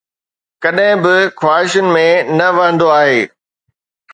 ڪڏهن به خواهشن ۾ نه وهندو آهي